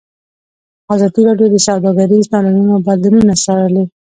ازادي راډیو د سوداګریز تړونونه بدلونونه څارلي.